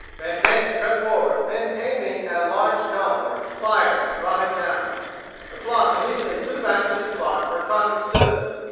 Vanzant crept forward, and aiming at a large gobbler, fired, and brought him down. The flock immediately flew back to near the spot where Crockett stood.